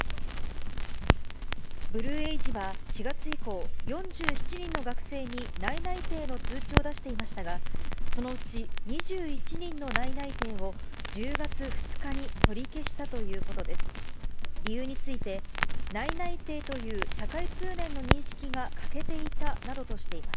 ブルーエイジは、４月以降、４７人の学生に内々定の通知を出していましたが、そのうち２１人の内々定を、１０月２日に取り消したということです。